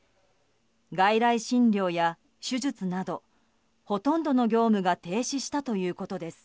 外来診療や手術などほとんどの業務が停止したということです。